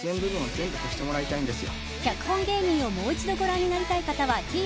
［『脚本芸人』をもう一度ご覧になりたい方はＴＶｅｒで］